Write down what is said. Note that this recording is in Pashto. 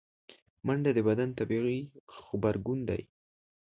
منډه د بدن طبیعي غبرګون دی